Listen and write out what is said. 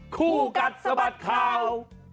คู่กัดสะบัดข่าว